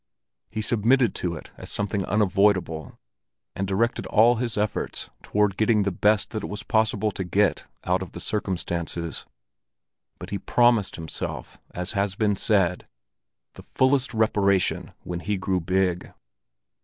He submitted to it as something unavoidable, and directed all his efforts toward getting the best that it was possible to get out of the circumstances; but he promised himself, as has been said, the fullest reparation when he grew big.